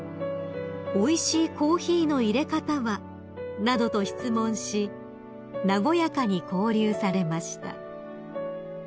「おいしいコーヒーの入れ方は？」などと質問し和やかに交流されました］